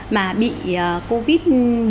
mà bị covid một mươi chín